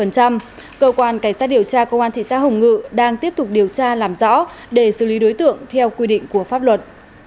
cơ quan cảnh sát điều tra công an thị xã hồng ngự đang tiếp tục điều tra làm rõ để xử lý đối tượng theo quy định của pháp luật